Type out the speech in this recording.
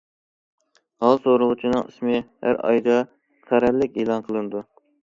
ھال سورىغۇچىنىڭ ئىسمى ھەر ئايدا قەرەللىك ئېلان قىلىنىدۇ.